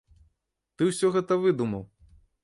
Ты ўсё гэта выдумаў!